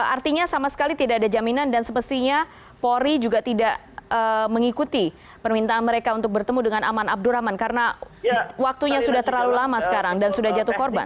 artinya sama sekali tidak ada jaminan dan semestinya polri juga tidak mengikuti permintaan mereka untuk bertemu dengan aman abdurrahman karena waktunya sudah terlalu lama sekarang dan sudah jatuh korban